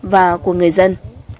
và của người dân